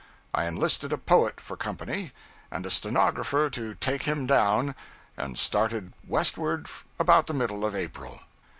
I enlisted a poet for company, and a stenographer to 'take him down,' and started westward about the middle of April.